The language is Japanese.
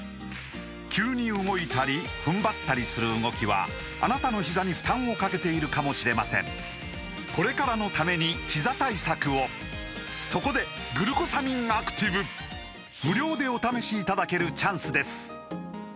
急に動いたり踏ん張ったりする動きはあなたのひざに負担をかけているかもしれませんそこで「グルコサミンアクティブ」無料でお試しいただけるチャンスです